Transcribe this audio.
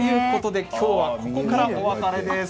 きょうはここからはお別れです。